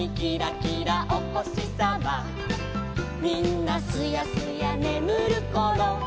「みんなすやすやねむるころ」